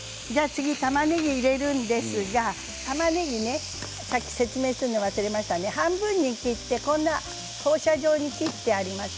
次たまねぎ入れるんですがたまねぎでさっき説明するの忘れました、半分に切って放射状に切ってあります。